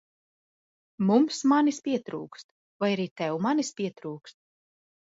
Mums manis pietrūkst, vai arī tev manis pietrūkst?